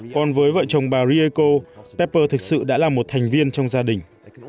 còn với vợ chồng bà rieko peper thực sự đã là một thành viên trong gia đình